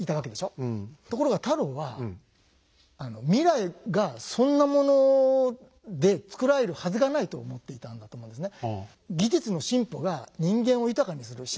ところが太郎は未来がそんなものでつくられるはずがないと思っていたんだと思うんですね。